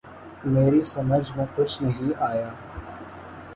میری سمجھ میں کچھ نہ آیا